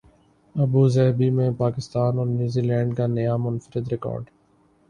Abu Dhabi میں پاکستان اور New Zealand کا نیا منفرد ریکارڈ